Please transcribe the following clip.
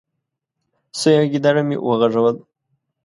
. سوی او ګيدړه مې وغږول،